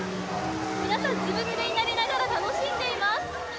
皆さん、ずぶぬれになりながら、楽しんでいます。